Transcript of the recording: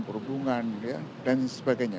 perhubungan dan sebagainya